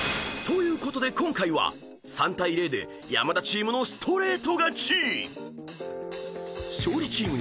［ということで今回は３対０で山田チームのストレート勝ち！］